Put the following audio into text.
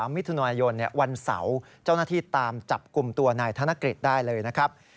มิถุนายนวันเสาร์เจ้าหน้าที่ตามจับกลุ่มตัวนายธนกฤษได้เลยนะครับ